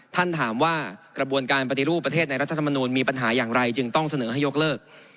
ท่านถามว่ากระบวนการปฏิรูปประเทศในรัฐธรรมนูลมีปัญหาอย่างไรจึงต้องเสนอให้ยกเลิก